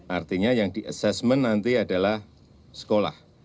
artinya yang di assessment nanti adalah sekolah